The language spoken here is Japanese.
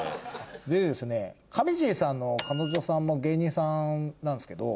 でですねかみちぃさんの彼女さんも芸人さんなんですけど。